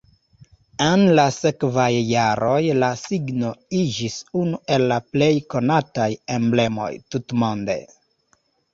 En la sekvaj jaroj la signo iĝis unu el la plej konataj emblemoj tutmonde.